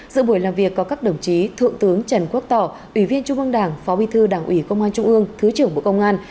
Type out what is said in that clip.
giữa buổi làm việc có các đồng chí thượng tướng trần quốc tỏ ủy viên trung ương đảng phó bí thư đảng ủy công an trung ương thứ trưởng bộ công an